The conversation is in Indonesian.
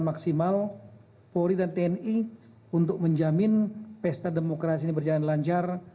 dan maksimal polri dan tni untuk menjamin pesta demokrasi ini berjalan lancar